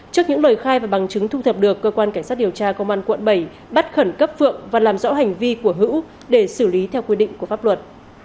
trước những lời khai và bằng chứng thu thập được cơ quan cảnh sát điều tra công an quận bảy bắt khẩn cấp phượng và làm rõ hành vi của hữu để xử lý theo quy định của pháp luật